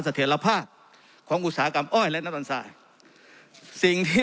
เสถียรภาพของอุตสาหกรรมอ้อยและน้ำมันทรายสิ่งที่